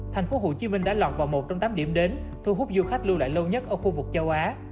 tp hcm đã lọt vào một trong tám điểm đến thu hút du khách lưu lại lâu nhất ở khu vực châu á